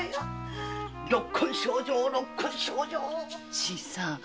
新さん